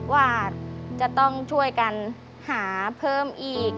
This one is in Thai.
ว่าจะต้องช่วยกันหาเพิ่มอีก